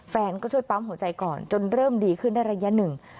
แฟนก็ช่วยปั๊มหัวใจก่อนจนเริ่มดีขึ้นได้ระยะหนึ่ง